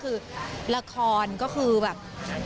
คือละครก็คือแบบ